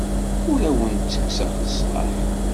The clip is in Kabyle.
Ur awen-ttekkseɣ leslaḥ.